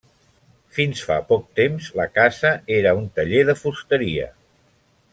Fins fa poc temps, la casa era un taller de fusteria.